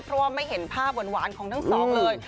เพราะว่าไม่เห็นภาพหวานของทั้งสองเลย